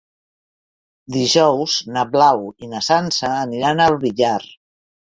Dijous na Blau i na Sança aniran al Villar.